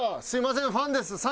すいませんファンです。